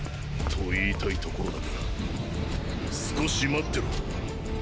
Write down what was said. と言いたいところだが少し待ってろ！